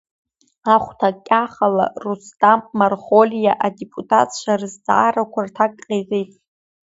Ахәҭакахьала, Русҭам Мархолиа, адепутатцәа рызҵаарақәа рҭак ҟаиҵеит.